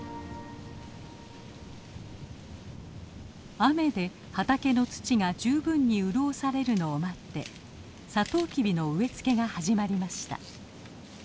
雨で畑の土が十分に潤されるのを待ってサトウキビの植え付けが始まりました。